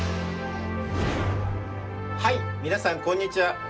はい皆さんこんにちは！